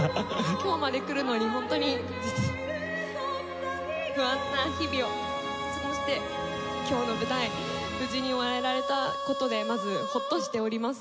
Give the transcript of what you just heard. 今日までくるのにホントに不安な日々を過ごして今日の舞台無事に終えられた事でまずホッとしております。